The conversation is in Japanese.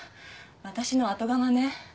私の後釜ね